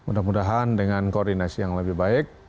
mudah mudahan dengan koordinasi yang lebih baik